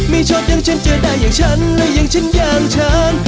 ไม่ชอบอย่างฉันเจอได้อย่างฉันและอย่างฉันอย่างฉัน